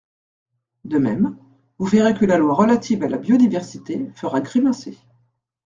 De même, vous verrez que la loi relative à la biodiversité fera grimacer.